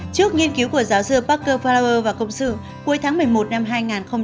trước nghiên cứu của giáo sư parker falo và cộng sự cuối tháng một mươi một năm hai nghìn một mươi tám